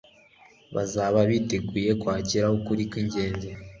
bazaba biteguye kwakira ukuri kwingenzi